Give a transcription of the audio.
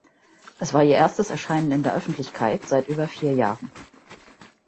Es war ihr erstes Erscheinen in der Öffentlichkeit seit über vier Jahren.